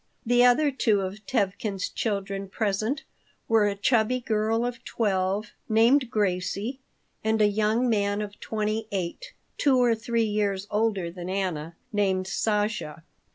The other two of Tevkin's children present were a chubby girl of twelve, named Gracie, and a young man of twenty eight, two or three years older than Anna, named Sasha.